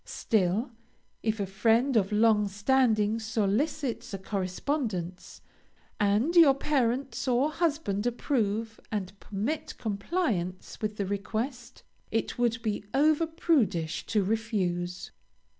Still, if a friend of long standing solicits a correspondence, and your parents or husband approve and permit compliance with the request, it would be over prudish to refuse.